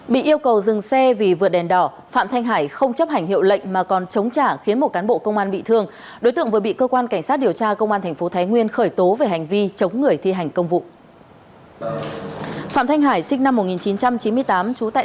bị yêu cầu dừng xe vì vượt đèn đỏ phạm thanh hải không chấp hành hiệu lệnh mà còn chống trả khiến một cán bộ công an bị thương đối tượng vừa bị cơ quan cảnh sát điều tra công an tp thái nguyên khởi tố về hành vi chống người thi hành công vụ